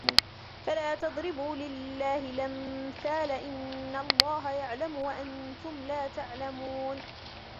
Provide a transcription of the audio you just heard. فلا تضربوا لله الأمثال إن الله يعلم وأنتم لا تعلمون